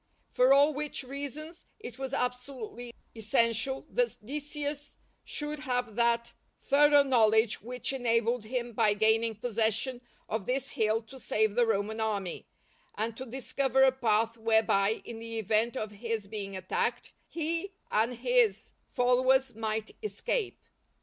For all which reasons it was absolutely essential that Decius should have that thorough knowledge which enabled him by gaining possession of this hill to save the Roman army, and to discover a path whereby, in the event of his being attacked, he and his followers might escape.